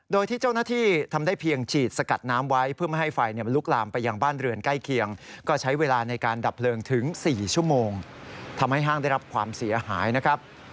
โดยที่เจ้าหน้าที่ทำได้เพียงฉีดสกัดน้ำไว้เพื่อไม่ให้ไฟมันลุกลามไปยังบ้านเรือนใกล้เคียงก็ใช้เวลาในการดับเพลิงถึง๔ชั่วโมงทำให้ห้างได้รับความเสียหายนะครับ